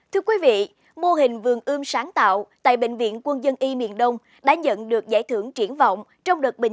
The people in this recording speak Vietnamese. thưa quý vị mô hình vườn ươm sáng tạo tại bệnh viện quân dân y miền đông đã nhận được giải thưởng triển vọng